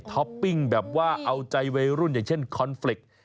ท็อปปิ้งแบบว่าเอาใจเวรุ่นอย่างเช่นคอนฟลิก